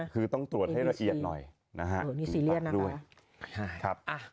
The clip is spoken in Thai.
คือต้องตรวจให้ละเอียดหน่อยนะฮะ